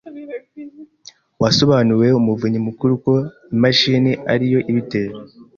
wasobanuriye Umuvunyi Mukuru ko imashini ariyo ibitera